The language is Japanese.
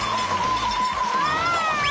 うわ！